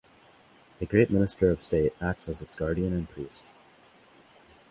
A great minister of state acts as its guardian and priest.